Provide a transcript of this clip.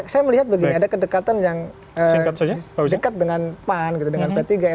saya melihat begini ada kedekatan yang dekat dengan pan gitu dengan p tiga